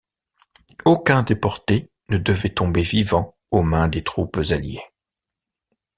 Aucun déporté ne devait tomber vivant aux mains des troupes alliées.